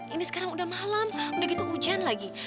ini sekarang udah malam udah gitu hujan lagi